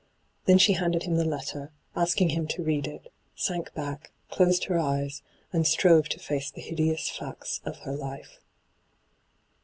Then she handed him the letter, asking him to read it, sank back, closed her eyes, and strove to &ce the hideous &ct8 of her life.